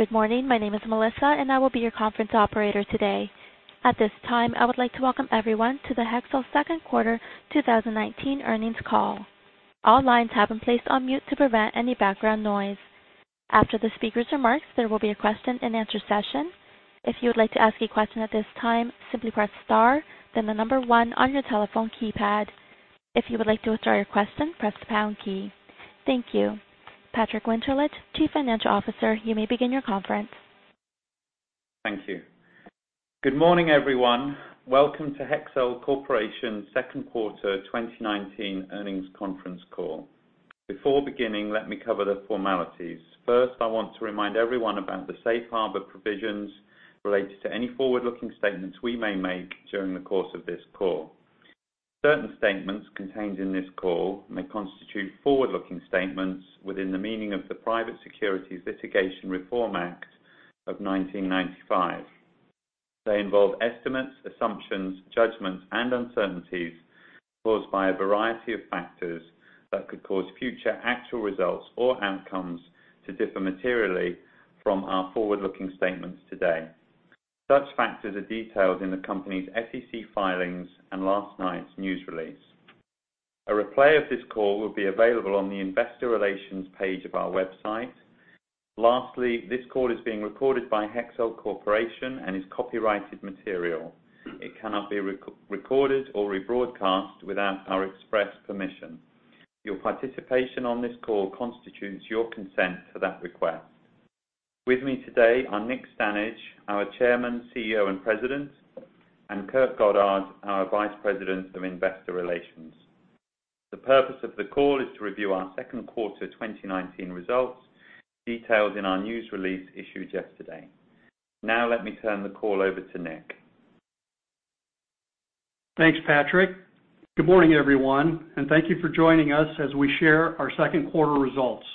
Good morning. My name is Melissa, and I will be your conference operator today. At this time, I would like to welcome everyone to the Hexcel Second Quarter 2019 Earnings Call. All lines have been placed on mute to prevent any background noise. After the speakers' remarks, there will be a question-and-answer session. If you would like to ask a question at this time, simply press star, then the one on your telephone keypad. If you would like to withdraw your question, press the pound key. Thank you. Patrick Winterlich, Chief Financial Officer, you may begin your conference. Thank you. Good morning, everyone. Welcome to Hexcel Corporation second quarter 2019 earnings conference call. Before beginning, let me cover the formalities. First, I want to remind everyone about the Safe Harbor provisions related to any forward-looking statements we may make during the course of this call. Certain statements contained in this call may constitute forward-looking statements within the meaning of the Private Securities Litigation Reform Act of 1995. They involve estimates, assumptions, judgments, and uncertainties caused by a variety of factors that could cause future actual results or outcomes to differ materially from our forward-looking statements today. Such factors are detailed in the company's SEC filings and last night's news release. A replay of this call will be available on the investor relations page of our website. Lastly, this call is being recorded by Hexcel Corporation and is copyrighted material. It cannot be recorded or rebroadcast without our express permission. Your participation on this call constitutes your consent to that request. With me today are Nick Stanage, our Chairman, CEO, and President, and Kurt Goddard, our Vice President of Investor Relations. The purpose of the call is to review our second quarter 2019 results, detailed in our news release issued yesterday. Let me turn the call over to Nick. Thanks, Patrick. Good morning, everyone, and thank you for joining us as we share our second quarter results.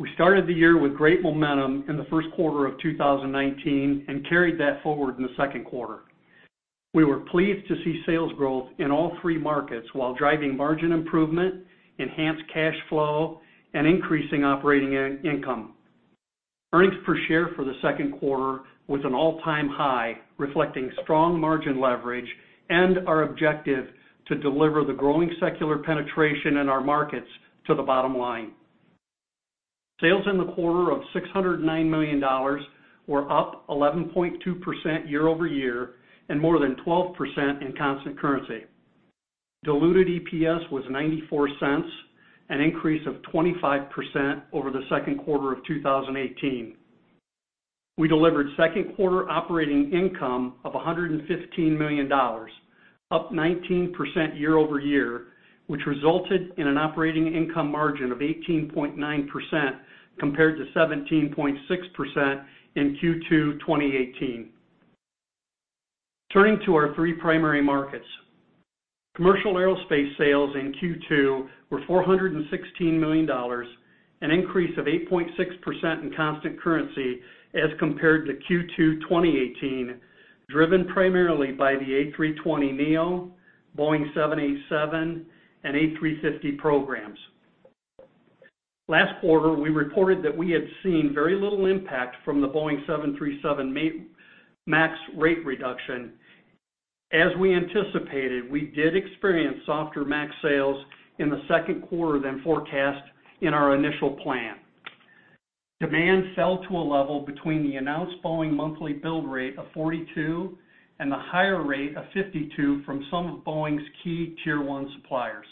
We started the year with great momentum in the first quarter of 2019 and carried that forward in the second quarter. We were pleased to see sales growth in all three markets while driving margin improvement, enhanced cash flow, and increasing operating income. Earnings per share for the second quarter was an all-time high, reflecting strong margin leverage and our objective to deliver the growing secular penetration in our markets to the bottom line. Sales in the quarter of $609 million were up 11.2% year-over-year, and more than 12% in constant currency. Diluted EPS was $0.94, an increase of 25% over the second quarter of 2018. We delivered second quarter operating income of $115 million, up 19% year-over-year, which resulted in an operating income margin of 18.9% compared to 17.6% in Q2 2018. Turning to our three primary markets. Commercial aerospace sales in Q2 were $416 million, an increase of 8.6% in constant currency as compared to Q2 2018, driven primarily by the A320neo, Boeing 787, and A350 programs. Last quarter, we reported that we had seen very little impact from the Boeing 737 MAX rate reduction. As we anticipated, we did experience softer MAX sales in the second quarter than forecast in our initial plan. Demand fell to a level between the announced Boeing monthly build rate of 42 and the higher rate of 52 from some of Boeing's key Tier 1 suppliers.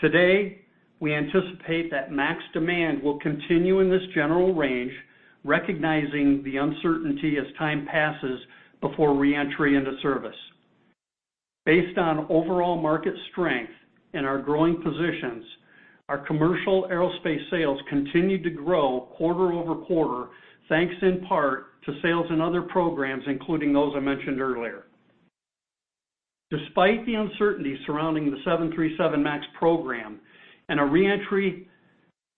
Today, we anticipate that MAX demand will continue in this general range, recognizing the uncertainty as time passes before re-entry into service. Based on overall market strength and our growing positions, our commercial aerospace sales continued to grow quarter-over-quarter, thanks in part to sales in other programs, including those I mentioned earlier. Despite the uncertainty surrounding the 737 MAX program and a re-entry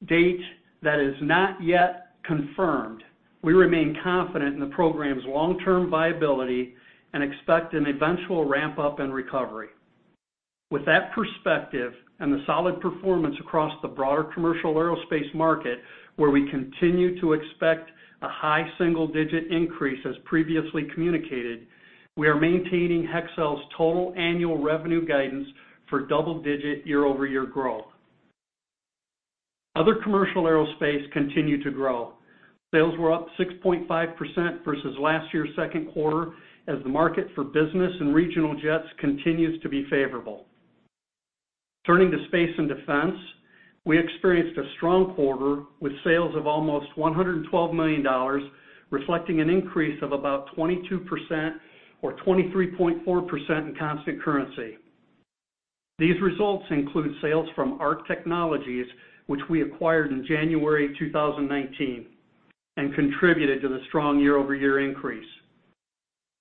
date that is not yet confirmed, we remain confident in the program's long-term viability and expect an eventual ramp-up and recovery. With that perspective and the solid performance across the broader commercial aerospace market, where we continue to expect a high single-digit increase as previously communicated, we are maintaining Hexcel's total annual revenue guidance for double-digit year-over-year growth. Other commercial aerospace continued to grow. Sales were up 6.5% versus last year's second quarter, as the market for business and regional jets continues to be favorable. Turning to space and defense, we experienced a strong quarter with sales of almost $112 million, reflecting an increase of about 22% or 23.4% in constant currency. These results include sales from ARC Technologies, which we acquired in January 2019 and contributed to the strong year-over-year increase.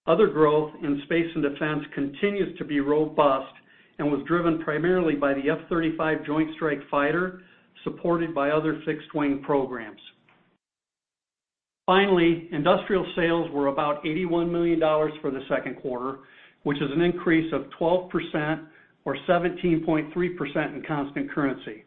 Other growth in space and defense continues to be robust and was driven primarily by the F-35 joint strike fighter, supported by other fixed-wing programs. Finally, industrial sales were about $81 million for the second quarter, which is an increase of 12% or 17.3% in constant currency.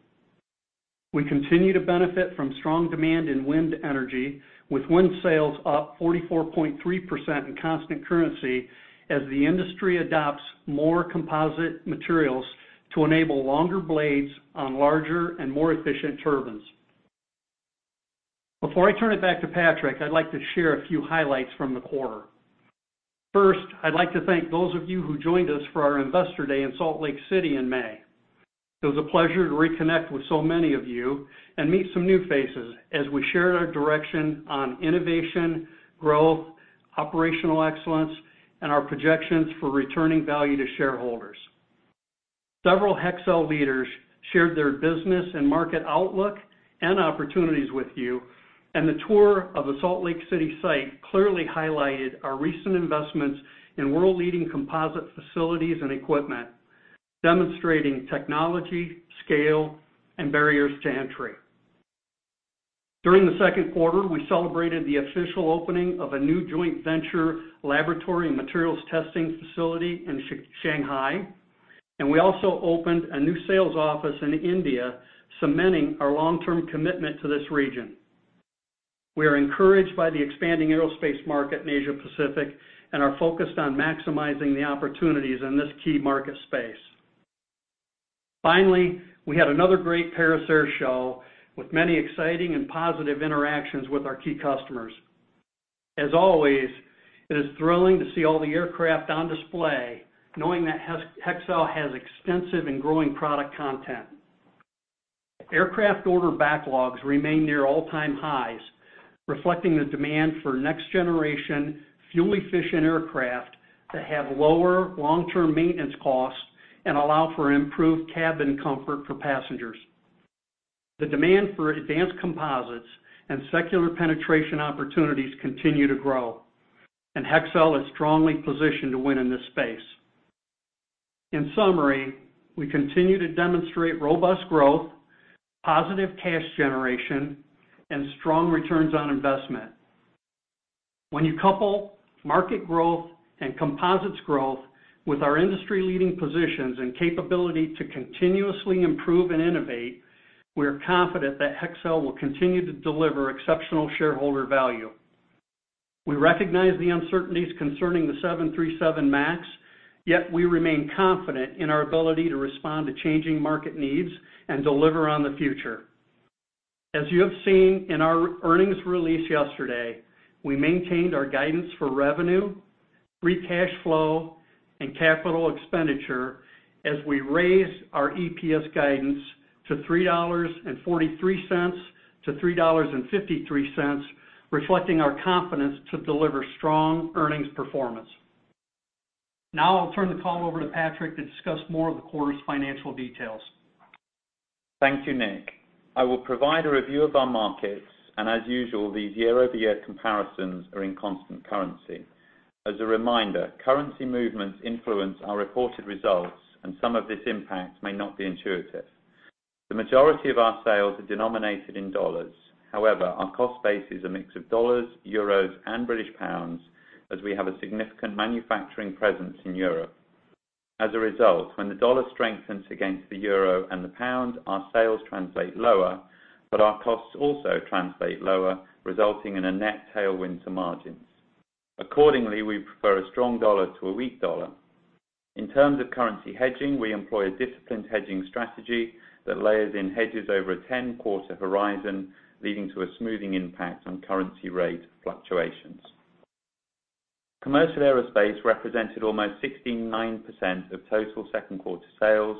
We continue to benefit from strong demand in wind energy, with wind sales up 44.3% in constant currency as the industry adopts more composite materials to enable longer blades on larger and more efficient turbines. Before I turn it back to Patrick, I'd like to share a few highlights from the quarter. First, I'd like to thank those of you who joined us for our Investor Day in Salt Lake City in May. It was a pleasure to reconnect with so many of you and meet some new faces as we shared our direction on innovation, growth, operational excellence, and our projections for returning value to shareholders. Several Hexcel leaders shared their business and market outlook and opportunities with you, and the tour of the Salt Lake City site clearly highlighted our recent investments in world-leading composite facilities and equipment, demonstrating technology, scale, and barriers to entry. During the second quarter, we celebrated the official opening of a new joint venture laboratory and materials testing facility in Shanghai, and we also opened a new sales office in India, cementing our long-term commitment to this region. We are encouraged by the expanding aerospace market in Asia Pacific and are focused on maximizing the opportunities in this key market space. Finally, we had another great Paris Air Show with many exciting and positive interactions with our key customers. As always, it is thrilling to see all the aircraft on display, knowing that Hexcel has extensive and growing product content. Aircraft order backlogs remain near all-time highs, reflecting the demand for next-generation, fuel-efficient aircraft that have lower long-term maintenance costs and allow for improved cabin comfort for passengers. The demand for advanced composites and secular penetration opportunities continue to grow, and Hexcel is strongly positioned to win in this space. In summary, we continue to demonstrate robust growth, positive cash generation, and strong returns on investment. When you couple market growth and composites growth with our industry-leading positions and capability to continuously improve and innovate, we are confident that Hexcel will continue to deliver exceptional shareholder value. We recognize the uncertainties concerning the 737 MAX, yet we remain confident in our ability to respond to changing market needs and deliver on the future. As you have seen in our earnings release yesterday, we maintained our guidance for revenue, free cash flow, and capital expenditure as we raised our EPS guidance to $3.43-$3.53, reflecting our confidence to deliver strong earnings performance. I'll turn the call over to Patrick to discuss more of the quarter's financial details. Thank you, Nick. I will provide a review of our markets, and as usual, these year-over-year comparisons are in constant currency. As a reminder, currency movements influence our reported results, and some of this impact may not be intuitive. The majority of our sales are denominated in dollars. However, our cost base is a mix of dollars, euros, and British pounds, as we have a significant manufacturing presence in Europe. As a result, when the dollar strengthens against the euro and the pound, our sales translate lower, but our costs also translate lower, resulting in a net tailwind to margins. Accordingly, we prefer a strong dollar to a weak dollar. In terms of currency hedging, we employ a disciplined hedging strategy that layers in hedges over a 10-quarter horizon, leading to a smoothing impact on currency rate fluctuations. Commercial aerospace represented almost 69% of total second quarter sales.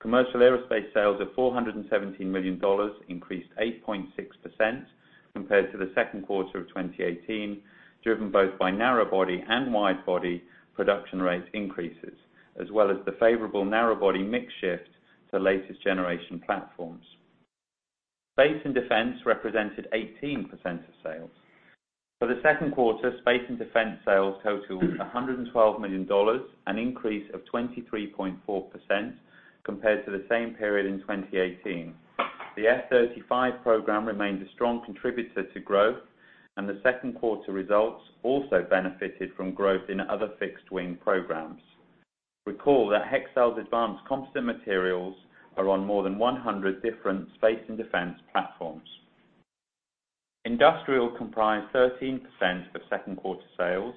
Commercial aerospace sales of $417 million increased 8.6% compared to the second quarter of 2018, driven both by narrow body and wide body production rate increases, as well as the favorable narrow body mix shift to latest generation platforms. Space and defense represented 18% of sales. For the second quarter, space and defense sales totaled $112 million, an increase of 23.4% compared to the same period in 2018. The F-35 program remains a strong contributor to growth, and the second quarter results also benefited from growth in other fixed-wing programs. Recall that Hexcel's advanced composite materials are on more than 100 different space and defense platforms. Industrial comprised 13% of second quarter sales.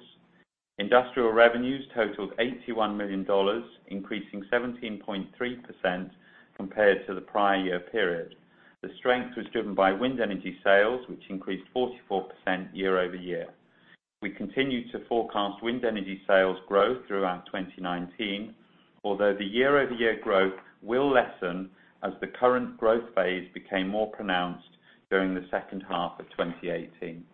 Industrial revenues totaled $81 million, increasing 17.3% compared to the prior year period. The strength was driven by wind energy sales, which increased 44% year-over-year. We continue to forecast wind energy sales growth throughout 2019, although the year-over-year growth will lessen as the current growth phase became more pronounced during the second half of 2018.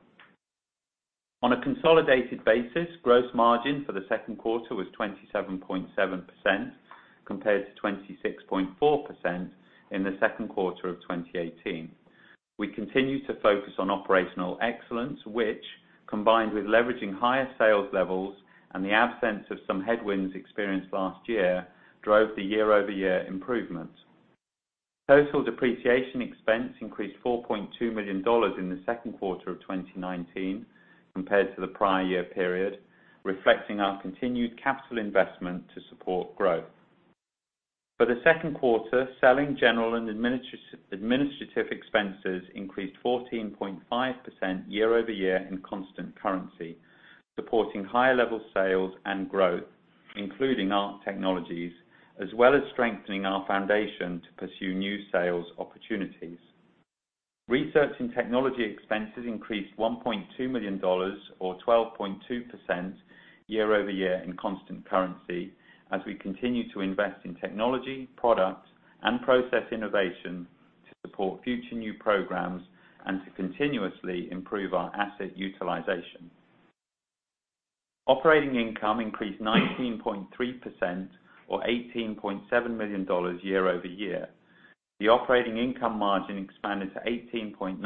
On a consolidated basis, gross margin for the second quarter was 27.7% compared to 26.4% in the second quarter of 2018. We continue to focus on operational excellence, which, combined with leveraging higher sales levels and the absence of some headwinds experienced last year, drove the year-over-year improvement. Total depreciation expense increased $4.2 million in the second quarter of 2019 compared to the prior year period, reflecting our continued capital investment to support growth. For the second quarter, selling, general, and administrative expenses increased 14.5% year over year in constant currency, supporting higher level sales and growth, including ARC Technologies, as well as strengthening our foundation to pursue new sales opportunities. Research and technology expenses increased $1.2 million, or 12.2%, year-over-year in constant currency, as we continue to invest in technology, product, and process innovation to support future new programs and to continuously improve our asset utilization. Operating income increased 19.3%, or $18.7 million year-over-year. The operating income margin expanded to 18.9%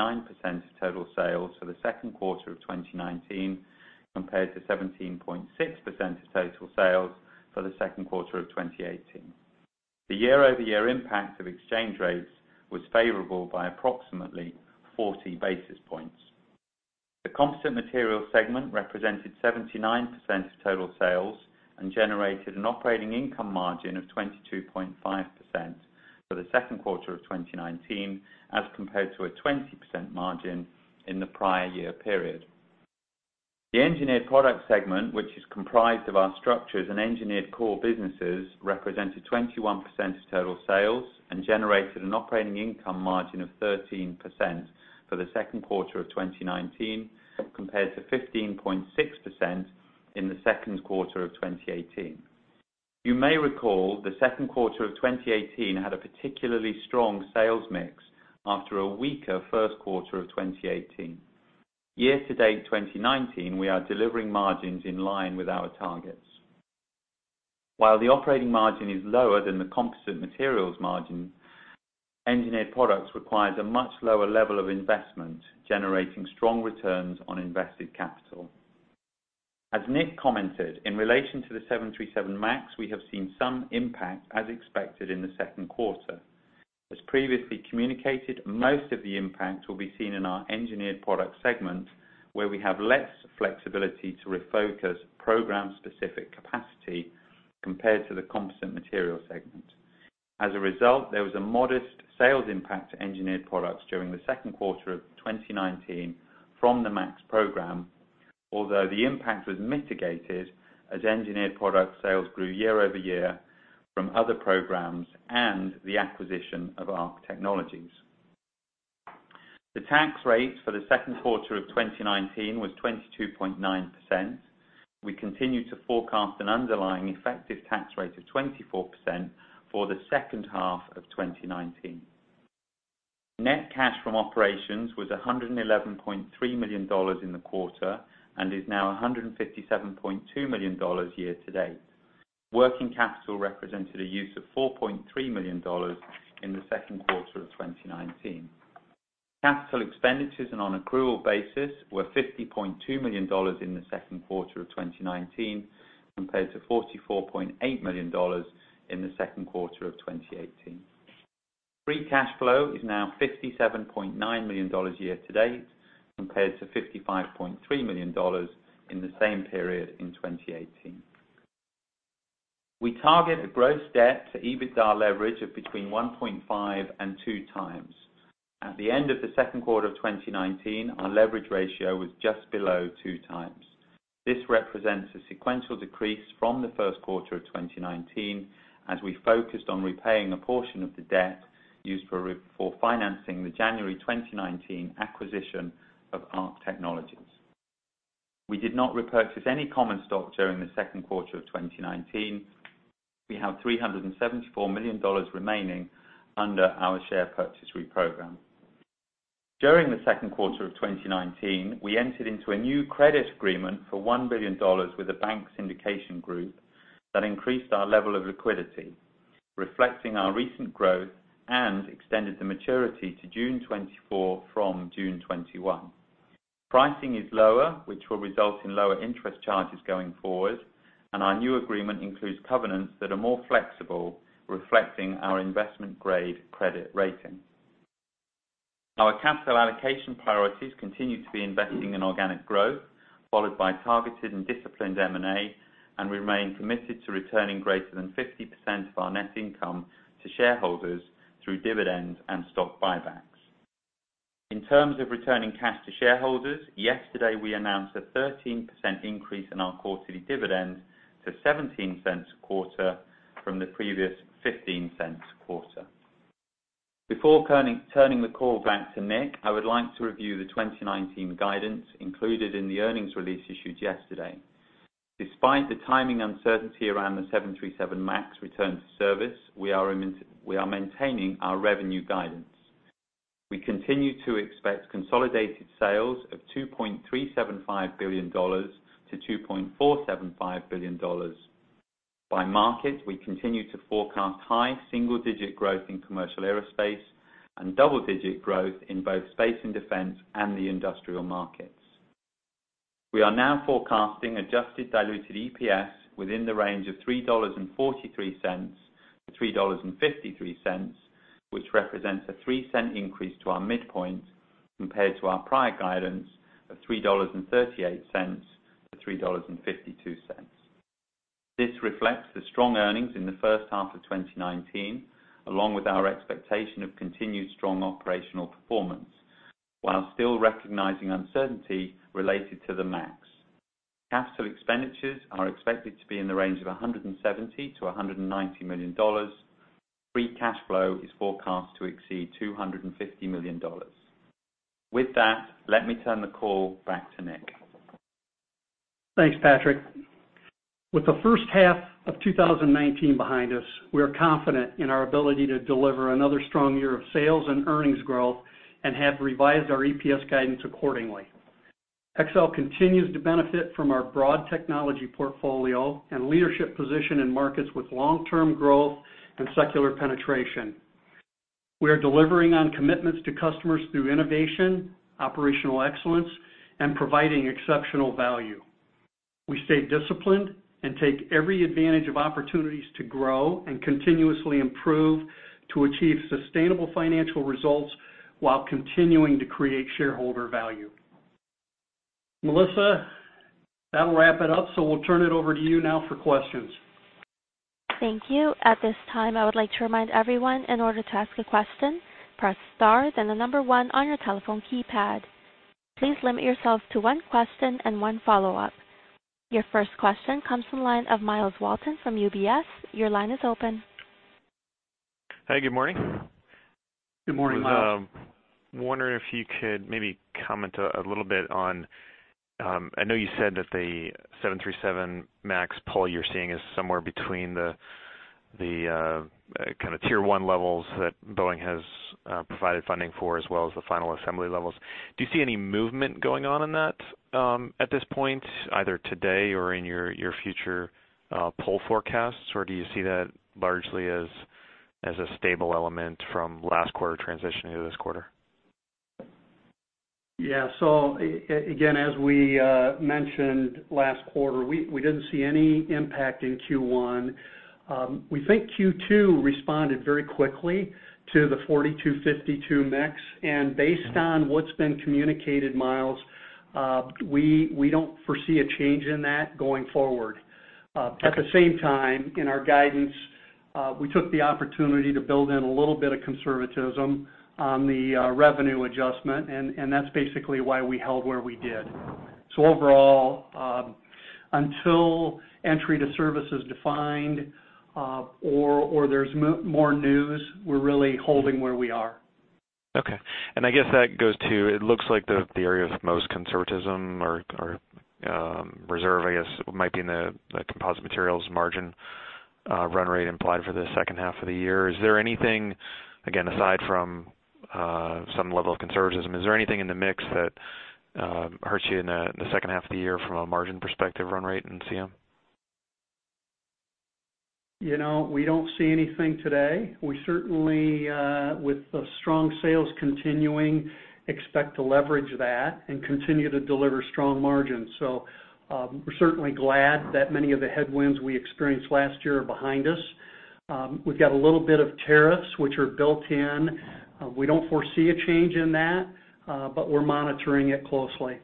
of total sales for the second quarter of 2019, compared to 17.6% of total sales for the second quarter of 2018. The year-over-year impact of exchange rates was favorable by approximately 40 basis points. The Composite Materials segment represented 79% of total sales and generated an operating income margin of 22.5% for the second quarter of 2019 as compared to a 20% margin in the prior year period. The Engineered Products segment, which is comprised of our structures and engineered core businesses, represented 21% of total sales and generated an operating income margin of 13% for the second quarter of 2019, compared to 15.6% in the second quarter of 2018. You may recall the second quarter of 2018 had a particularly strong sales mix after a weaker first quarter of 2018. Year to date 2019, we are delivering margins in line with our targets. While the operating margin is lower than the Composite Materials margin, Engineered Products requires a much lower level of investment, generating strong returns on invested capital. As Nick commented, in relation to the 737 MAX, we have seen some impact as expected in the second quarter. As previously communicated, most of the impact will be seen in our Engineered Products segment, where we have less flexibility to refocus program-specific capacity compared to the Composite Materials segment. As a result, there was a modest sales impact to engineered products during the second quarter of 2019 from the MAX program. Although the impact was mitigated as Engineered Products sales grew year-over-year from other programs and the acquisition of ARC Technologies. The tax rate for the second quarter of 2019 was 22.9%. We continue to forecast an underlying effective tax rate of 24% for the second half of 2019. Net cash from operations was $111.3 million in the quarter and is now $157.2 million year to date. Working capital represented a use of $4.3 million in the second quarter of 2019. Capital expenditures and on accrual basis were $50.2 million in the second quarter of 2019, compared to $44.8 million in the second quarter of 2018. Free cash flow is now $57.9 million year to date, compared to $55.3 million in the same period in 2018. We target a gross debt to EBITDA leverage of between 1.5x and 2x. At the end of the second quarter of 2019, our leverage ratio was just below 2x. This represents a sequential decrease from the first quarter of 2019, as we focused on repaying a portion of the debt used for financing the January 2019 acquisition of ARC Technologies. We did not repurchase any common stock during the second quarter of 2019. We have $374 million remaining under our share purchase reprogram. During the second quarter of 2019, we entered into a new credit agreement for $1 billion with a bank syndication group that increased our level of liquidity, reflecting our recent growth and extended the maturity to June 2024 from June 2021. Pricing is lower, which will result in lower interest charges going forward, and our new agreement includes covenants that are more flexible, reflecting our investment grade credit rating. Our capital allocation priorities continue to be investing in organic growth, followed by targeted and disciplined M&A and remain committed to returning greater than 50% of our net income to shareholders through dividends and stock buybacks. In terms of returning cash to shareholders, yesterday, we announced a 13% increase in our quarterly dividend to $0.17 a quarter from the previous $0.15 a quarter. Before turning the call back to Nick, I would like to review the 2019 guidance included in the earnings release issued yesterday. Despite the timing uncertainty around the 737 MAX return to service, we are maintaining our revenue guidance. We continue to expect consolidated sales of $2.375 billion-$2.475 billion. By market, we continue to forecast high single-digit growth in commercial aerospace and double-digit growth in both space and defense and the industrial markets. We are now forecasting adjusted diluted EPS within the range of $3.43-$3.53, which represents a $0.03 increase to our midpoint compared to our prior guidance of $3.38-$3.52. This reflects the strong earnings in the first half of 2019, along with our expectation of continued strong operational performance, while still recognizing uncertainty related to the MAX. Capital expenditures are expected to be in the range of $170 million-$190 million. Free cash flow is forecast to exceed $250 million. With that, let me turn the call back to Nick. Thanks, Patrick. With the first half of 2019 behind us, we are confident in our ability to deliver another strong year of sales and earnings growth and have revised our EPS guidance accordingly. Hexcel continues to benefit from our broad technology portfolio and leadership position in markets with long-term growth and secular penetration. We are delivering on commitments to customers through innovation, operational excellence, and providing exceptional value. We stay disciplined and take every advantage of opportunities to grow and continuously improve to achieve sustainable financial results while continuing to create shareholder value. Melissa, that'll wrap it up, so we'll turn it over to you now for questions. Thank you. At this time, I would like to remind everyone, in order to ask a question, press star, then the number one on your telephone keypad. Please limit yourself to one question and one follow-up. Your first question comes from the line of Myles Walton from UBS. Your line is open. Hi, good morning. Good morning, Myles. was wondering if you could maybe comment a little bit on, I know you said that the 737 MAX pull you're seeing is somewhere between the Tier 1 levels that Boeing has provided funding for, as well as the final assembly levels? Do you see any movement going on in that at this point, either today or in your future pull forecasts, or do you see that largely as a stable element from last quarter transitioning to this quarter? Yeah. Again, as we mentioned last quarter, we didn't see any impact in Q1. We think Q2 responded very quickly to the 42/52 mix. Based on what's been communicated, Myles, we don't foresee a change in that going forward. Okay. At the same time, in our guidance, we took the opportunity to build in a little bit of conservatism on the revenue adjustment. That's basically why we held where we did. Overall, until entry to service is defined, or there's more news, we're really holding where we are. Okay. I guess that goes to, it looks like the area of most conservatism or reserve, I guess, might be in the Composite Materials margin run rate implied for the second half of the year. Is there anything, again, aside from some level of conservatism, is there anything in the mix that hurts you in the second half of the year from a margin perspective run rate in CM? We don't see anything today. We certainly, with the strong sales continuing, expect to leverage that and continue to deliver strong margins. We're certainly glad that many of the headwinds we experienced last year are behind us. We've got a little bit of tariffs which are built in. We don't foresee a change in that, but we're monitoring it closely.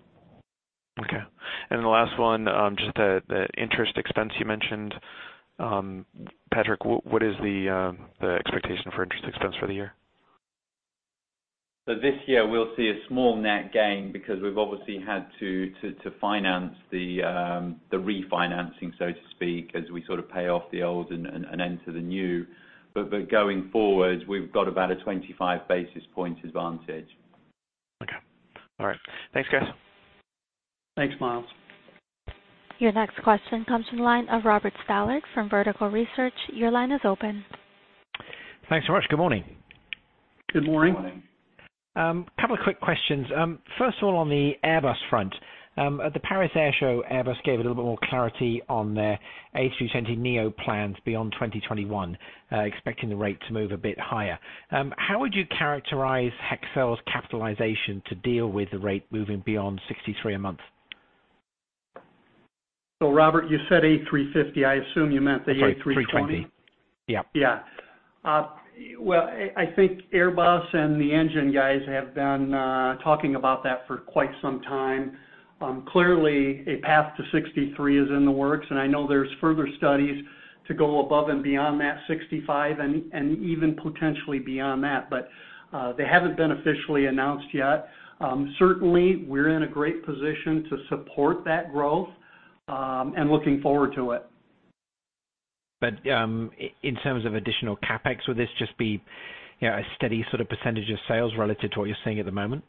Okay. The last one, just the interest expense you mentioned. Patrick, what is the expectation for interest expense for the year? This year, we'll see a small net gain because we've obviously had to finance the refinancing, so to speak, as we sort of pay off the old and enter the new. Going forward, we've got about a 25 basis point advantage. Okay. All right. Thanks, guys. Thanks, Myles. Your next question comes from the line of Robert Stallard from Vertical Research. Your line is open. Thanks so much. Good morning. Good morning. Good morning. Couple of quick questions. First of all, on the Airbus front. At the Paris Air Show, Airbus gave a little bit more clarity on their A320neo plans beyond 2021, expecting the rate to move a bit higher. How would you characterize Hexcel's capitalization to deal with the rate moving beyond 63 a month? Robert, you said A350. I assume you meant the A320. Sorry, A320. Yeah. Well, I think Airbus and the engine guys have been talking about that for quite some time. Clearly, a path to 63 is in the works, and I know there's further studies to go above and beyond that 65, and even potentially beyond that. They haven't been officially announced yet. Certainly, we're in a great position to support that growth, and looking forward to it. In terms of additional CapEx, would this just be a steady sort of percentage of sales relative to what you're seeing at the moment?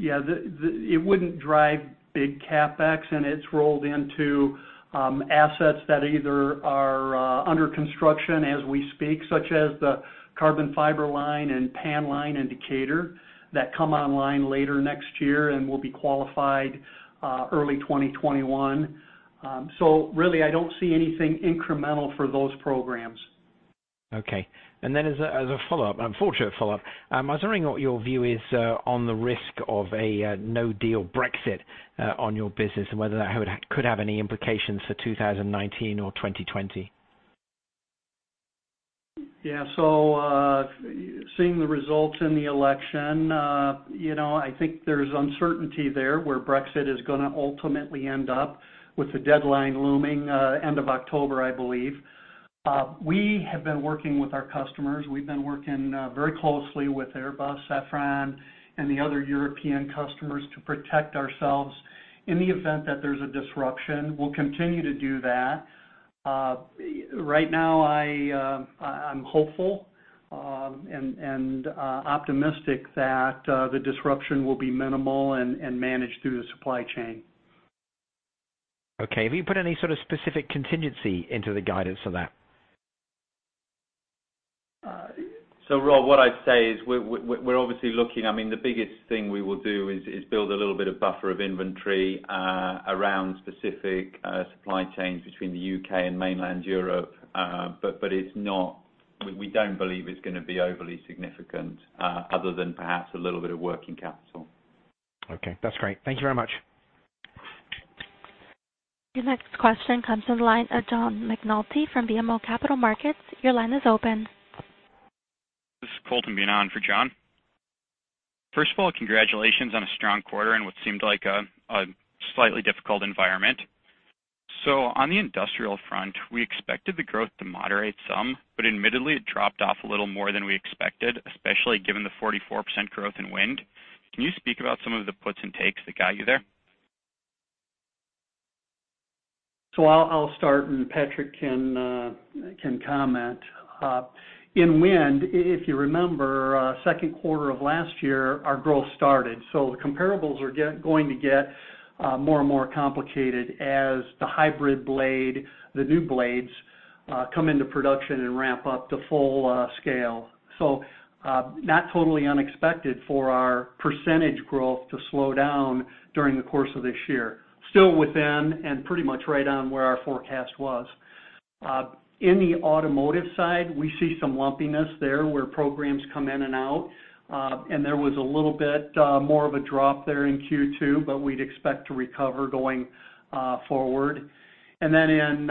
Yeah, it wouldn't drive big CapEx, and it's rolled into assets that either are under construction as we speak, such as the carbon fiber line and PAN line in Decatur, that come online later next year and will be qualified early 2021. Really, I don't see anything incremental for those programs. Okay. As a follow-up, unfortunate follow-up, I was wondering what your view is on the risk of a no-deal Brexit on your business, and whether that could have any implications for 2019 or 2020. Seeing the results in the election, I think there's uncertainty there where Brexit is going to ultimately end up with the deadline looming end of October, I believe. We have been working with our customers. We've been working very closely with Airbus, Safran, and the other European customers to protect ourselves in the event that there's a disruption. We'll continue to do that. Right now, I'm hopeful and optimistic that the disruption will be minimal and managed through the supply chain. Okay. Have you put any sort of specific contingency into the guidance for that? Rob, what I'd say is the biggest thing we will do is build a little bit of buffer of inventory around specific supply chains between the U.K. and mainland Europe. We don't believe it's going to be overly significant other than perhaps a little bit of working capital. Okay. That's great. Thank you very much. Your next question comes in the line of John McNulty from BMO Capital Markets. Your line is open. This is Colton Bina on for John. First of all, congratulations on a strong quarter in what seemed like a slightly difficult environment. On the industrial front, we expected the growth to moderate some, but admittedly it dropped off a little more than we expected, especially given the 44% growth in wind. Can you speak about some of the puts and takes that got you there? I'll start and Patrick can comment. In Wind, if you remember, second quarter of last year, our growth started. The comparables are going to get more and more complicated as the hybrid blade, the new blades, come into production and ramp up to full scale. Not totally unexpected for our percentage growth to slow down during the course of this year. Still within and pretty much right on where our forecast was. In the automotive side, we see some lumpiness there where programs come in and out. There was a little bit more of a drop there in Q2, but we'd expect to recover going forward. Then in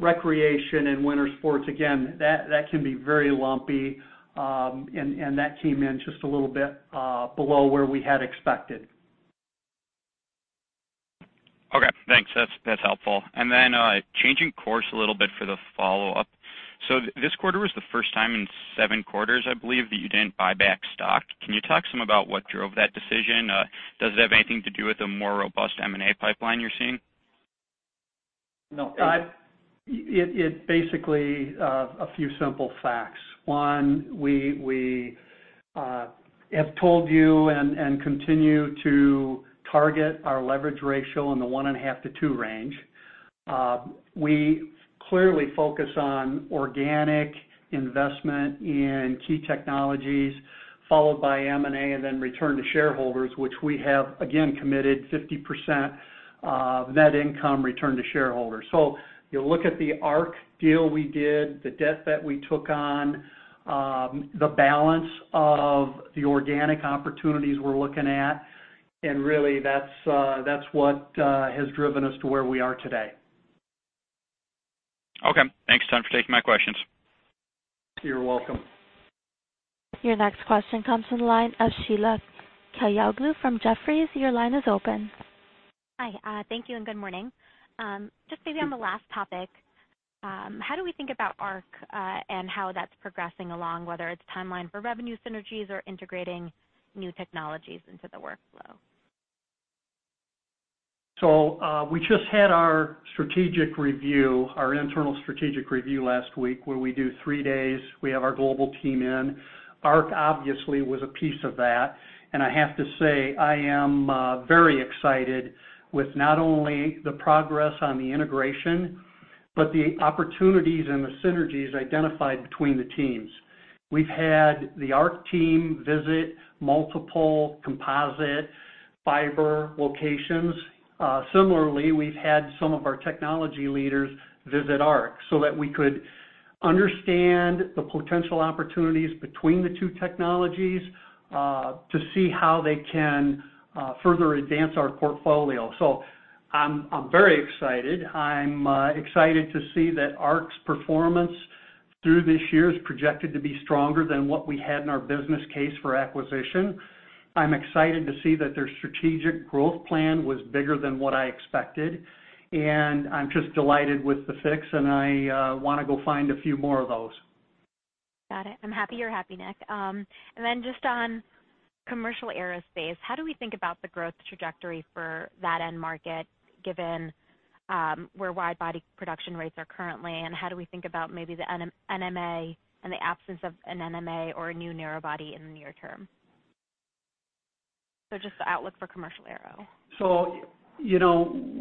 recreation and winter sports, again, that can be very lumpy, and that came in just a little bit below where we had expected. Okay, thanks. That's helpful. Changing course a little bit for the follow-up. This quarter was the first time in seven quarters, I believe, that you didn't buy back stock. Can you talk some about what drove that decision? Does it have anything to do with the more robust M&A pipeline you're seeing? No. It basically, a few simple facts. One, we have told you and continue to target our leverage ratio in the 1.5x-2x range. We clearly focus on organic investment in key technologies followed by M&A and then return to shareholders, which we have again committed 50% of net income return to shareholders. You look at the ARC deal we did, the debt that we took on, the balance of the organic opportunities we're looking at, and really that's what has driven us to where we are today. Okay. Thanks a ton for taking my questions. You're welcome. Your next question comes from the line of Sheila Kahyaoglu from Jefferies. Your line is open. Hi. Thank you and good morning. Just maybe on the last topic. How do we think about ARC, and how that's progressing along, whether it's timeline for revenue synergies or integrating new technologies into the workflow? We just had our strategic review, our internal strategic review last week, where we do three days. We have our global team in. ARC obviously was a piece of that, and I have to say, I am very excited with not only the progress on the integration, but the opportunities and the synergies identified between the teams. We've had the ARC team visit multiple composite fiber locations. Similarly, we've had some of our technology leaders visit ARC so that we could understand the potential opportunities between the two technologies, to see how they can further advance our portfolio. I'm very excited. I'm excited to see that ARC's performance through this year is projected to be stronger than what we had in our business case for acquisition. I'm excited to see that their strategic growth plan was bigger than what I expected, and I'm just delighted with the fix, and I want to go find a few more of those. Got it. I'm happy you're happy, Nick. Then just on commercial aerospace, how do we think about the growth trajectory for that end market, given where wide-body production rates are currently, and how do we think about maybe the NMA and the absence of an NMA or a new narrow body in the near term? Just the outlook for commercial aero.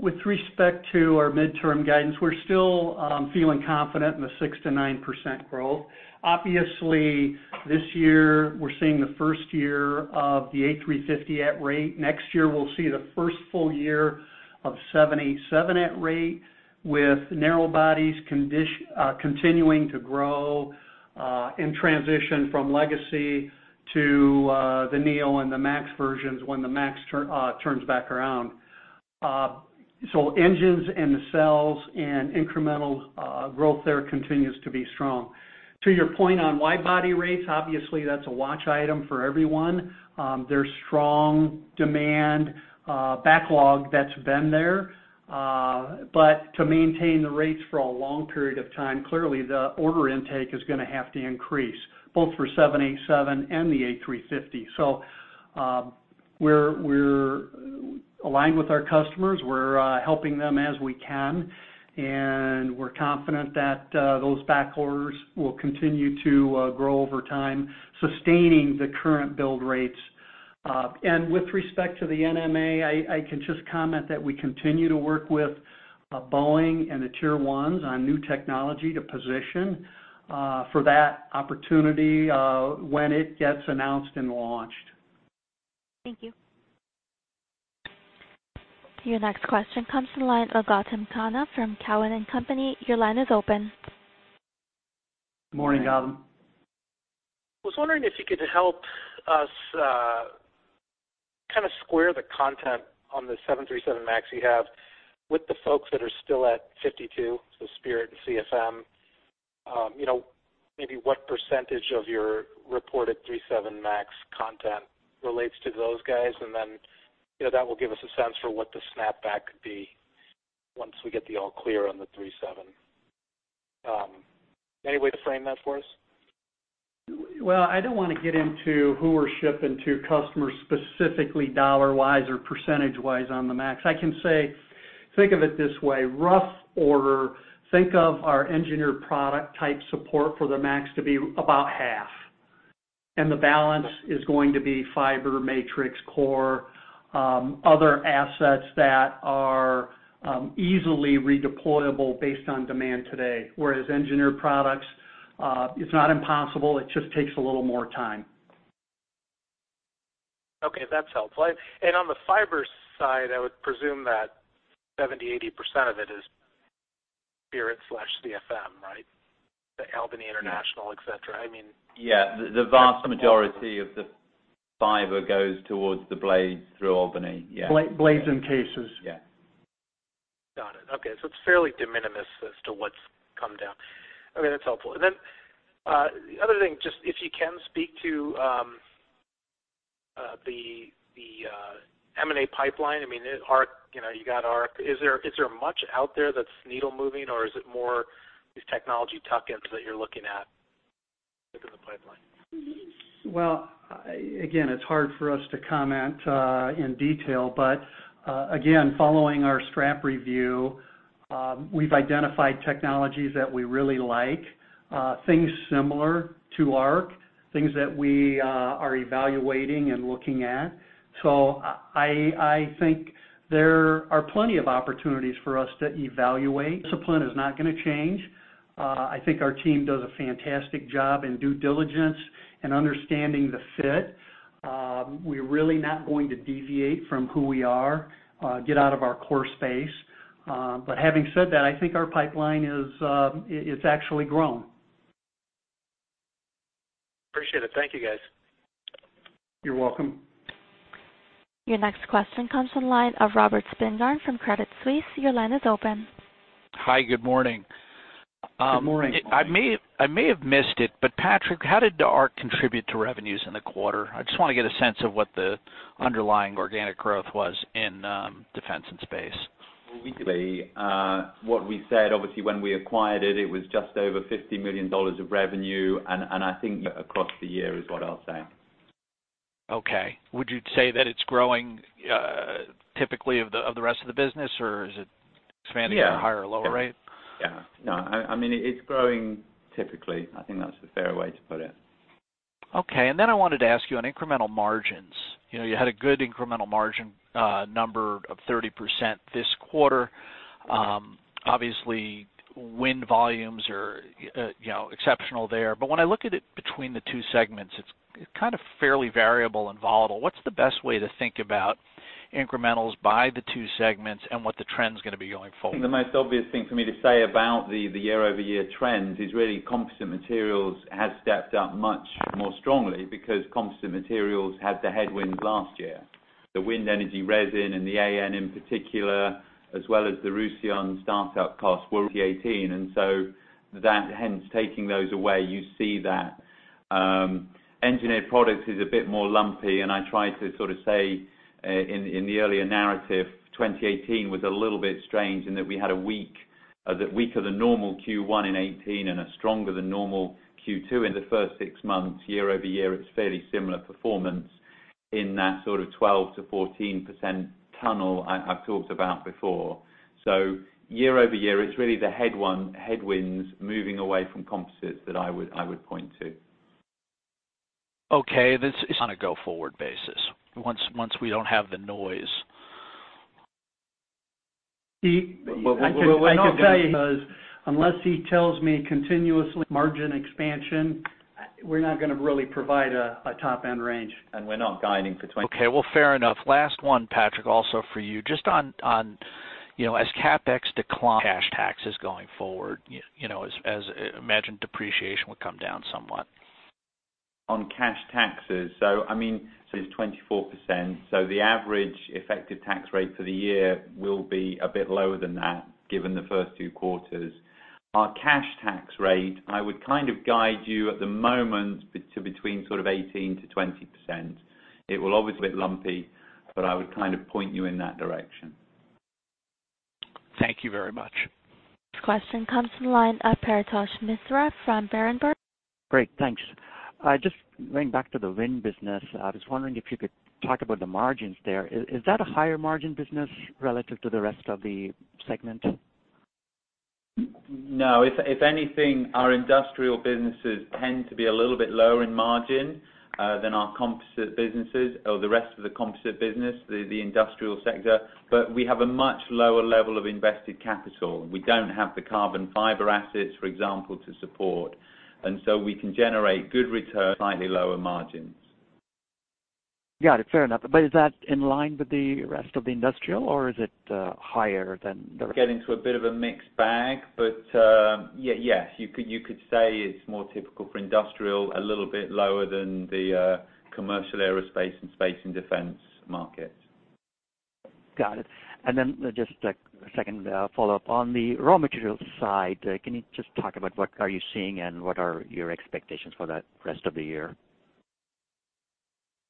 With respect to our midterm guidance, we're still feeling confident in the 6%-9% growth. Obviously, this year, we're seeing the first year of the A350 at rate. Next year, we'll see the first full year of 787 at rate. With narrow bodies continuing to grow in transition from legacy to the neo and the MAX versions when the MAX turns back around. Engines and the cells and incremental growth there continues to be strong. To your point on wide body rates, obviously that's a watch item for everyone. There's strong demand backlog that's been there. To maintain the rates for a long period of time, clearly the order intake is going to have to increase, both for 787 and the A350. We're aligned with our customers. We're helping them as we can, we're confident that those back orders will continue to grow over time, sustaining the current build rates. With respect to the NMA, I can just comment that we continue to work with Boeing and the Tier 1s on new technology to position for that opportunity when it gets announced and launched. Thank you. Your next question comes to the line of Gautam Khanna from Cowen and Company. Your line is open. Morning, Gautam. I was wondering if you could help us square the content on the 737 MAX you have with the folks that are still at 52, so Spirit and CFM. What percentage of your reported 737 MAX content relates to those guys, that will give us a sense for what the snapback could be once we get the all clear on the 737. Any way to frame that for us? Well, I don't want to get into who we're shipping to customers specifically dollar-wise or percentage-wise on the MAX. I can say, think of it this way, rough order, think of our engineered product type support for the MAX to be about half. The balance is going to be fiber, matrix, core, other assets that are easily redeployable based on demand today. Whereas engineered products, it's not impossible, it just takes a little more time. Okay. That's helpful. On the fiber side, I would presume that 70%-80% of it is Spirit/CFM, right? The Albany International, et cetera. Yeah. The vast majority of the fiber goes towards the blades through Albany. Yeah. Blades and cases. Yeah. Got it. Okay. It's fairly de minimis as to what's come down. Okay, that's helpful. The other thing, if you can speak to the M&A pipeline. You got ARC. Is there much out there that's needle moving or is it more these technology tuck-ins that you're looking at within the pipeline? Again, it's hard for us to comment in detail, but again, following our strat review, we've identified technologies that we really like, things similar to ARC, things that we are evaluating and looking at. I think there are plenty of opportunities for us to evaluate. Discipline is not going to change. I think our team does a fantastic job in due diligence and understanding the fit. We're really not going to deviate from who we are, get out of our core space. Having said that, I think our pipeline it's actually grown. Appreciate it. Thank you, guys. You're welcome. Your next question comes from the line of Robert Spingarn from Credit Suisse. Your line is open. Hi. Good morning. Good morning. I may have missed it, Patrick, how did the ARC contribute to revenues in the quarter? I just want to get a sense of what the underlying organic growth was in defense and space. Weekly, what we said, obviously when we acquired it was just over $50 million of revenue. I think across the year is what I'll say. Okay. Would you say that it's growing typically of the rest of the business or is it expanding at a higher or lower rate? Yeah. No, it's growing typically. I think that's a fair way to put it. Okay. I wanted to ask you on incremental margins. You had a good incremental margin number of 30% this quarter. Obviously, wind volumes are exceptional there. When I look at it between the two segments, it's fairly variable and volatile. What's the best way to think about incrementals by the two segments and what the trend's going to be going forward? I think the most obvious thing for me to say about the year-over-year trend is really composite materials has stepped up much more strongly because composite materials had the headwinds last year. The wind energy resin and the AN in particular, as well as the Ruzion startup costs were 2018. Hence taking those away, you see that Engineered Products is a bit more lumpy, and I tried to say in the earlier narrative, 2018 was a little bit strange in that we had a week of the normal Q1 in 2018 and a stronger than normal Q2 in the first six months. Year-over-year, it's fairly similar performance in that sort of 12%-14% tunnel I've talked about before. Year-over-year, it's really the headwinds moving away from composites that I would point to. Okay. On a go-forward basis, once we don't have the noise. I can tell you, because unless he tells me continuously margin expansion. We're not going to really provide a top-end range. We're not guiding for 20- Okay. Well, fair enough. Last one, Patrick, also for you. Just on, as CapEx cash taxes going forward, as imagined depreciation will come down somewhat. On cash taxes. I mean, so it's 24%, so the average effective tax rate for the year will be a bit lower than that given the first two quarters. Our cash tax rate, I would kind of guide you at the moment to between sort of 18%-20%. It will always be a bit lumpy, but I would kind of point you in that direction. Thank you very much. Next question comes from the line of Paritosh Misra from Berenberg. Great, thanks. Just going back to the wind business, I was wondering if you could talk about the margins there. Is that a higher margin business relative to the rest of the segment? No. If anything, our industrial businesses tend to be a little bit lower in margin than our composite businesses or the rest of the composite business, the industrial sector, but we have a much lower level of invested capital. We don't have the carbon fiber assets, for example, to support. We can generate good returns at slightly lower margins. Got it. Fair enough. Is that in line with the rest of the industrial, or is it higher than the rest? Get into a bit of a mixed bag. Yes, you could say it's more typical for industrial, a little bit lower than the commercial aerospace and space and defense markets. Got it. Just a second follow-up. On the raw materials side, can you just talk about what are you seeing and what are your expectations for the rest of the year?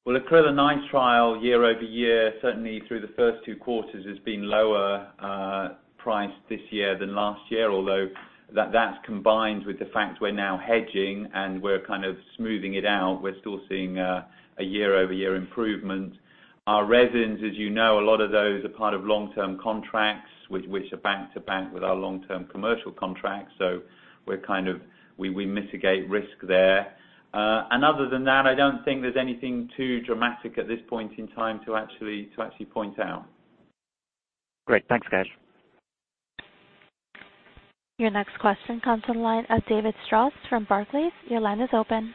Well, acrylonitrile price year-over-year, certainly through the first two quarters has been lower price this year than last year, although that's combined with the fact we're now hedging and we're kind of smoothing it out. We're still seeing a year-over-year improvement. Our resins, as you know, a lot of those are part of long-term contracts, which are back to back with our long-term commercial contracts. We mitigate risk there. Other than that, I don't think there's anything too dramatic at this point in time to actually point out. Great. Thanks, guys. Your next question comes from the line of David Strauss from Barclays. Your line is open.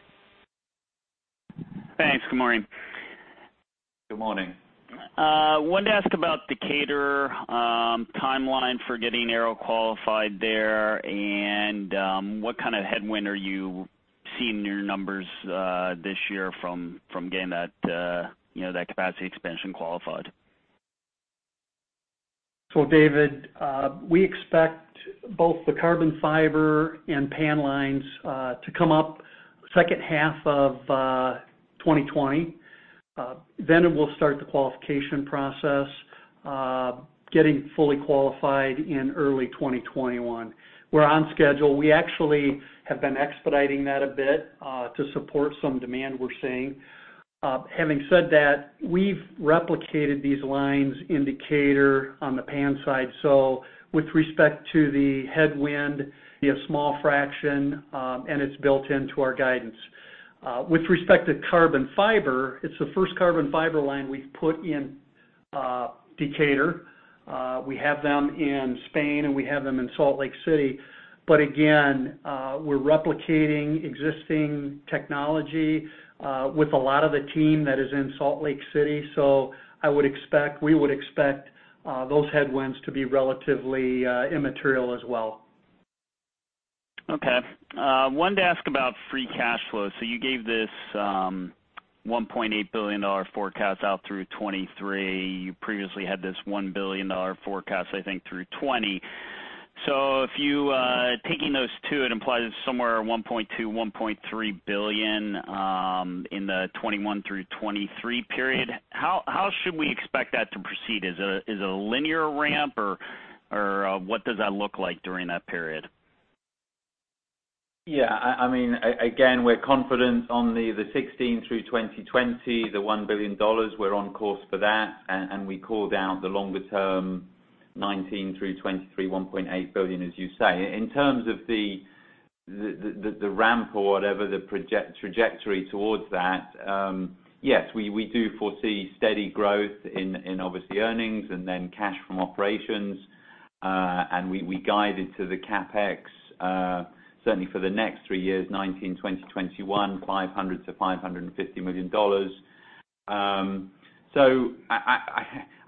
Thanks. Good morning. Good morning. Wanted to ask about Decatur, timeline for getting aero qualified there, and what kind of headwind are you seeing in your numbers this year from getting that capacity expansion qualified? David, we expect both the carbon fiber and PAN lines to come up second half of 2020. We'll start the qualification process, getting fully qualified in early 2021. We're on schedule. We actually have been expediting that a bit to support some demand we're seeing. Having said that, we've replicated these lines indicator on the PAN side. With respect to the headwind, a small fraction, and it's built into our guidance. With respect to carbon fiber, it's the first carbon fiber line we've put in Decatur. We have them in Spain, and we have them in Salt Lake City. Again, we're replicating existing technology with a lot of the team that is in Salt Lake City. We would expect those headwinds to be relatively immaterial as well. Okay. Wanted to ask about free cash flow. You gave this $1.8 billion forecast out through 2023. You previously had this $1 billion forecast, I think, through 2020. Taking those two, it implies it's somewhere $1.2 billion-$1.3 billion in the 2021 through 2023 period. How should we expect that to proceed? Is it a linear ramp or what does that look like during that period? Yeah. Again, we're confident on the 2016 through 2020, the $1 billion, we're on course for that, and we call down the longer term, 2019 through 2023, $1.8 billion as you say. In terms of the ramp or whatever the trajectory towards that, yes, we do foresee steady growth in obviously earnings and then cash from operations. We guided to the CapEx, certainly for the next three years, 2019, 2020, 2021, $500 million-$550 million.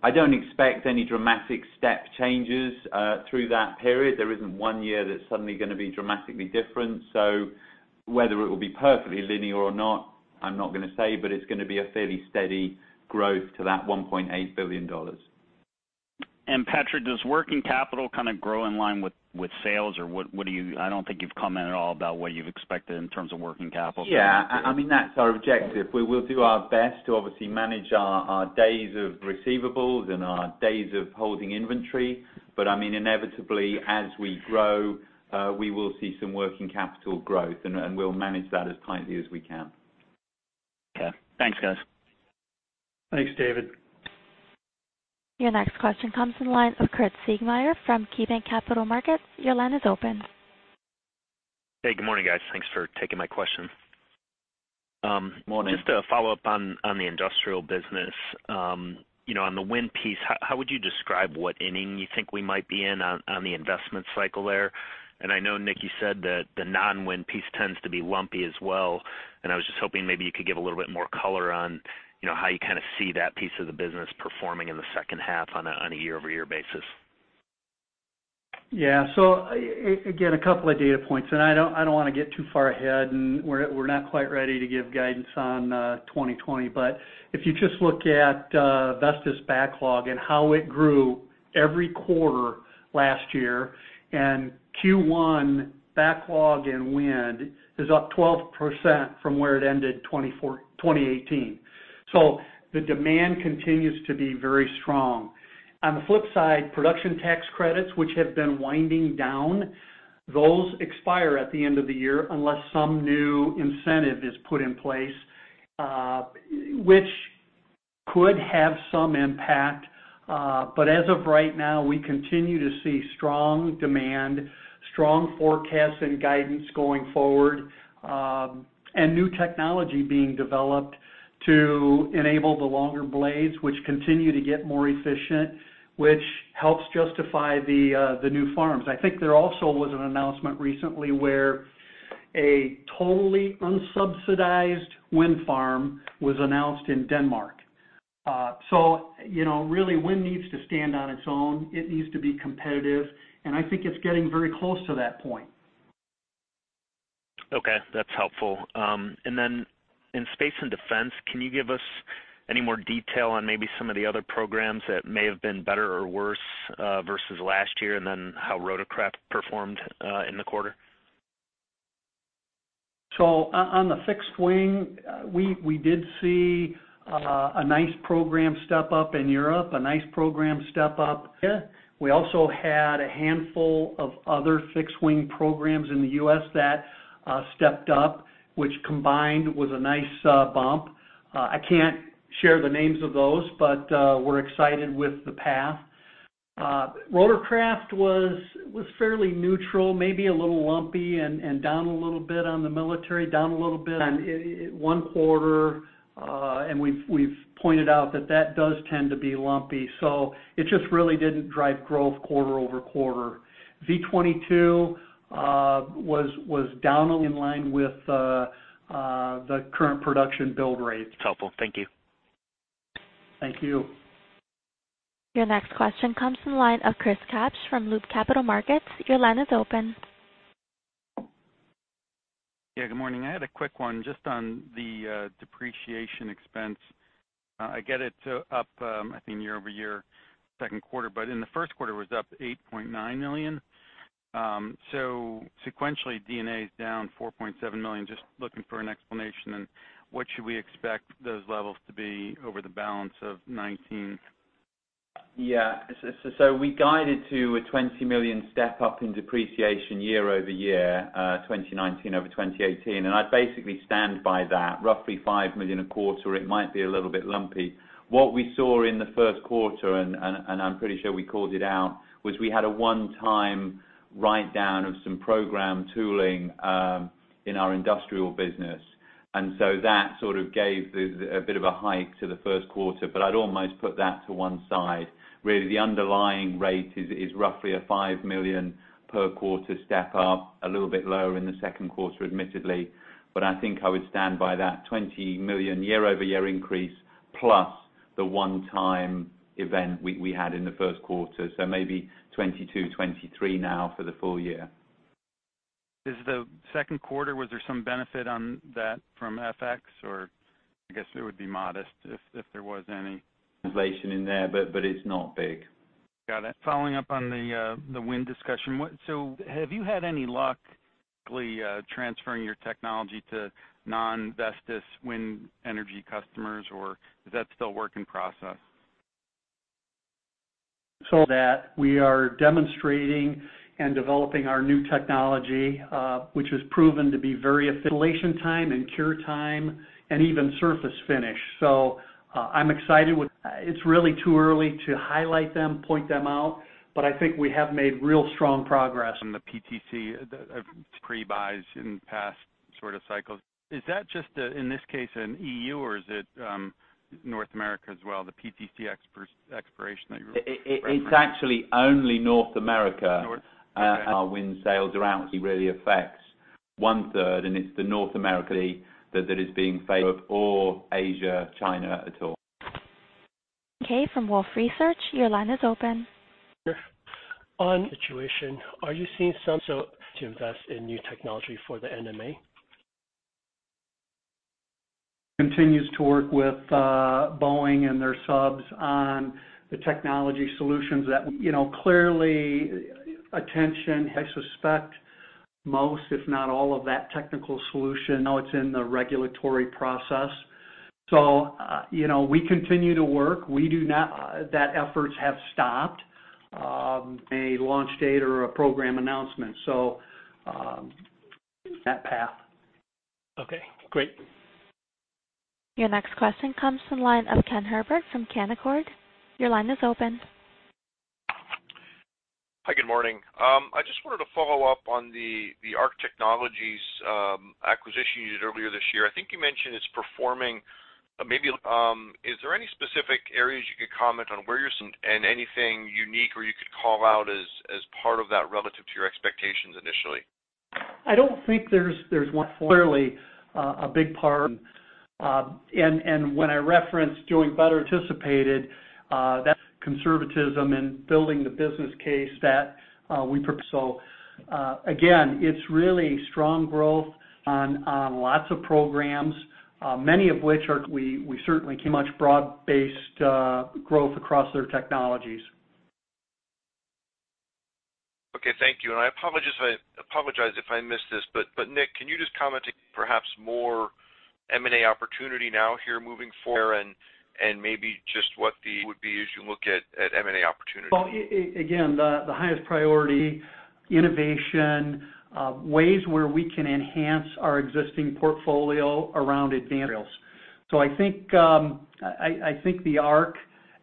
I don't expect any dramatic step changes through that period. There isn't one year that's suddenly going to be dramatically different. Whether it will be perfectly linear or not, I'm not going to say, but it's going to be a fairly steady growth to that $1.8 billion. Patrick, does working capital kind of grow in line with sales or I don't think you've commented at all about what you've expected in terms of working capital? Yeah. That's our objective. We will do our best to obviously manage our days of receivables and our days of holding inventory. Inevitably, as we grow, we will see some working capital growth, and we'll manage that as tightly as we can. Okay. Thanks, guys. Thanks, David. Your next question comes from the line of Curt Siegmeyer from KeyBanc Capital Markets. Your line is open. Hey, good morning, guys. Thanks for taking my question. Just a follow-up on the industrial business. On the wind piece, how would you describe what inning you think we might be in on the investment cycle there? I know Nick, you said that the non-wind piece tends to be lumpy as well, and I was just hoping maybe you could give a little bit more color on how you see that piece of the business performing in the second half on a year-over-year basis. Again, a couple of data points, and I don't want to get too far ahead, and we're not quite ready to give guidance on 2020. If you just look at Vestas backlog and how it grew every quarter last year, and Q1 backlog and wind is up 12% from where it ended 2018. The demand continues to be very strong. On the flip side, production tax credits, which have been winding down, those expire at the end of the year unless some new incentive is put in place, which could have some impact. As of right now, we continue to see strong demand, strong forecasts and guidance going forward, and new technology being developed to enable the longer blades, which continue to get more efficient, which helps justify the new farms. I think there also was an announcement recently where a totally unsubsidized wind farm was announced in Denmark. Really wind needs to stand on its own. It needs to be competitive, and I think it's getting very close to that point. Okay, that's helpful. In space and defense, can you give us any more detail on maybe some of the other programs that may have been better or worse, versus last year, and then how Rotorcraft performed in the quarter? On the fixed wing, we did see a nice program step-up in Europe, a nice program step-up. We also had a handful of other fixed-wing programs in the U.S. that stepped up, which combined was a nice bump. I can't share the names of those, but we're excited with the path. Rotorcraft was fairly neutral, maybe a little lumpy and down a little bit on the military, down a little bit on one quarter. We've pointed out that that does tend to be lumpy. It just really didn't drive growth quarter-over-quarter. V-22 was down in line with the current production build rate. That's helpful. Thank you. Thank you. Your next question comes from the line of Chris Kapsch from Loop Capital Markets. Your line is open. Yeah, good morning. I had a quick one just on the depreciation expense. I get it up, I think year-over-year, second quarter, but in the first quarter was up $8.9 million. Sequentially, D&A is down $4.7 million. Just looking for an explanation and what should we expect those levels to be over the balance of 2019? Yeah. We guided to a $20 million step-up in depreciation year-over-year, 2019 over 2018, and I basically stand by that, roughly $5 million a quarter. It might be a little bit lumpy. What we saw in the first quarter, and I'm pretty sure we called it out, was we had a one-time write-down of some program tooling in our industrial business. That sort of gave a bit of a hike to the first quarter. I'd almost put that to one side. Really, the underlying rate is roughly a $5 million per quarter step-up, a little bit lower in the second quarter, admittedly. I think I would stand by that $20 million year-over-year increase plus the one-time event we had in the first quarter. Maybe $22 million, $23 million now for the full year. Is the second quarter, was there some benefit on that from FX? I guess it would be modest if there was any. Translation in there, but it's not big. Got it. Following up on the wind discussion. Have you had any luck transferring your technology to non-Vestas wind energy customers, or is that still work in process? That we are demonstrating and developing our new technology, which has proven to be very efficient, lead time and cure time, and even surface finish. I'm excited. It's really too early to highlight them, point them out, but I think we have made real strong progress. On the PTC pre-buys in past sort of cycles, is that just, in this case, in EU or is it North America as well, the PTC expiration that you referenced? It's actually only North America. North? Okay. Our wind sales are out. It really affects one third. It's the North America that is being favored, or Asia, China at all. from Wolfe Research, your line is open. On the situation, are you seeing sense to invest in new technology for the NMA? Continues to work with Boeing and their subs on the technology solutions. Clearly attention. I suspect most, if not all of that technical solution, now it's in the regulatory process. We continue to work. That efforts have stopped, a launch date or a program announcement. That path. Okay, great. Your next question comes from the line of Ken Herbert from Canaccord. Your line is open. Hi, good morning. I just wanted to follow up on the ARC Technologies acquisition you did earlier this year. I think you mentioned it's performing. Is there any specific areas you could comment on where you're seeing, and anything unique or you could call out as part of that relative to your expectations initially? I don't think there's one clearly a big part. When I referenced doing better than anticipated, that's conservatism in building the business case that we proposed. Again, it's really strong growth on lots of programs, many of which, we certainly see much broad-based growth across their technologies. Okay, thank you. I apologize if I missed this, but Nick, can you just comment perhaps more M&A opportunity now here moving forward, and maybe just what the would be as you look at M&A opportunities? Again, the highest priority, innovation, ways where we can enhance our existing portfolio around advanced materials. I think, the ARC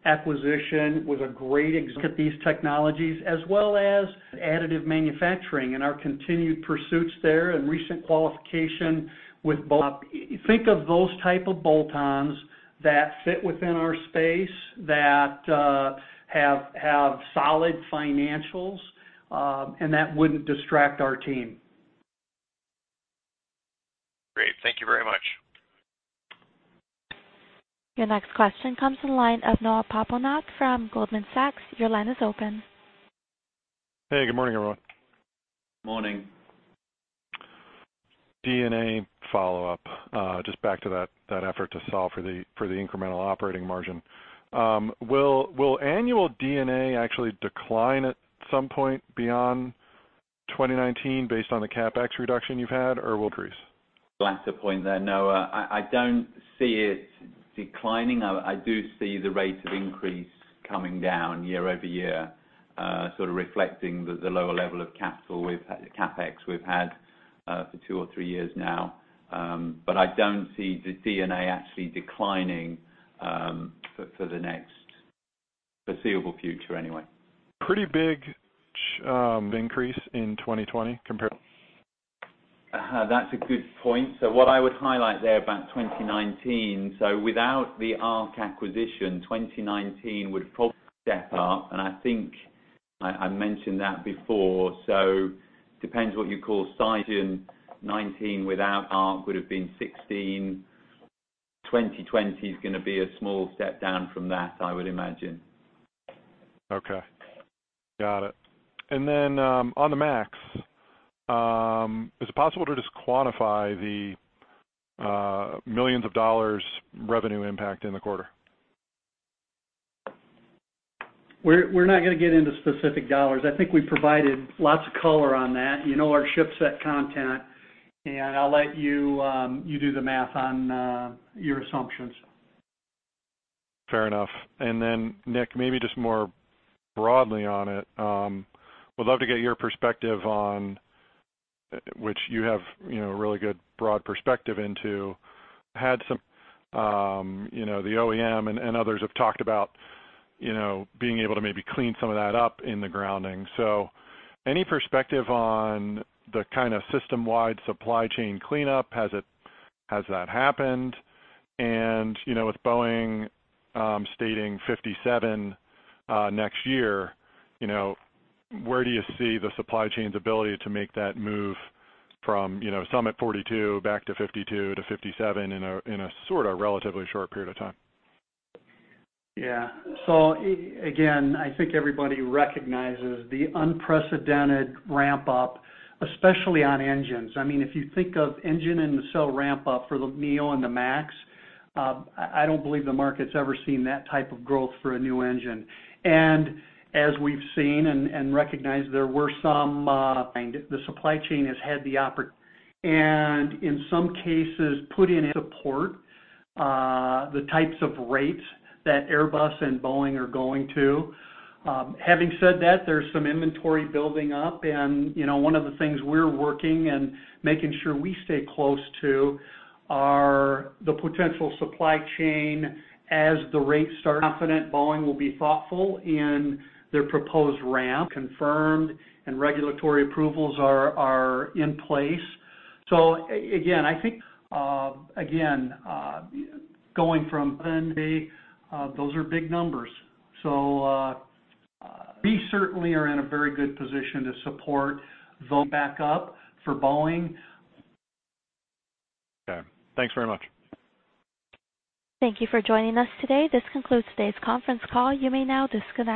acquisition was a great example. Look at these technologies as well as additive manufacturing and our continued pursuits there and recent qualification with Bolt On. Think of those type of bolt-ons that fit within our space that have solid financials, and that wouldn't distract our team. Great. Thank you very much. Your next question comes to the line of Noah Poponak from Goldman Sachs. Your line is open. Hey, good morning, everyone. Morning. D&A follow-up. Just back to that effort to solve for the incremental operating margin. Will annual D&A actually decline at some point beyond 2019 based on the CapEx reduction you've had, or will it increase? That's a point there, Noah. I don't see it declining. I do see the rate of increase coming down year-over-year, sort of reflecting the lower level of CapEx we've had for two or three years now. I don't see the D&A actually declining, for the next foreseeable future anyway. Pretty big increase in 2020 compared. That's a good point. What I would highlight there about 2019, without the ARC acquisition, 2019 would probably step up, and I think I mentioned that before. Depends what you call size in 2019 without ARC would've been 16. 2020 is going to be a small step down from that, I would imagine. Okay. Got it. On the MAX, is it possible to just quantify the millions of dollars revenue impact in the quarter? We're not going to get into specific dollars. I think we provided lots of color on that. You know our ship set content, and I'll let you do the math on your assumptions. Fair enough. Nick Stanage, maybe just more broadly on it, would love to get your perspective on, which you have a really good broad perspective into, the OEM and others have talked about being able to maybe clean some of that up in the grounding. Any perspective on the kind of system-wide supply chain cleanup, has that happened? With Boeing stating 57 next year, where do you see the supply chain's ability to make that move from some at 42 back to 52 to 57 in a sort of relatively short period of time? Again, I think everybody recognizes the unprecedented ramp-up, especially on engines. If you think of engine and nacelle ramp-up for the A320neo and the 737 MAX, I don't believe the market's ever seen that type of growth for a new engine. As we've seen and recognized, the supply chain has had the opportunity and in some cases, put in place to support, the types of rates that Airbus and Boeing are going to. Having said that, there's some inventory building up and one of the things we're working and making sure we stay close to are the potential supply chain as the rates start. Confident Boeing will be thoughtful in their proposed ramp-up. Confirmed regulatory approvals are in place. Again, I think, those are big numbers. We certainly are in a very good position to support. Load back up for Boeing. Okay. Thanks very much. Thank you for joining us today. This concludes today's conference call. You may now disconnect.